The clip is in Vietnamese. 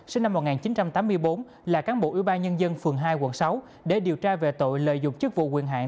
sinh năm một nghìn chín trăm tám mươi bốn là cán bộ ủy ban nhân dân phường hai quận sáu để điều tra về tội lợi dụng chức vụ quyền hạn